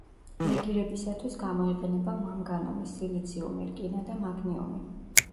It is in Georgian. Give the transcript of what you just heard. ლეგირებისათვის გამოიყენება მანგანუმი, სილიციუმი, რკინა და მაგნიუმი.